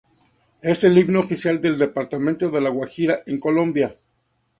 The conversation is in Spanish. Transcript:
Es el himno oficial del Departamento de La Guajira, en Colombia.